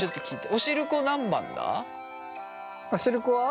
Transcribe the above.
おしるこは？